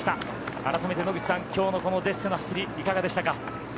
改めて野口さんきょうのデッセの走りいかがでしたか？